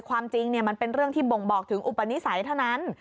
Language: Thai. ความจริงมันเป็นเรื่องที่บ่งบอกถึงอุปนิสัยเท่านั้น